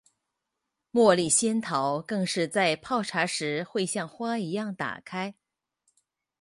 茉莉仙桃更是在泡茶时会像花一样打开。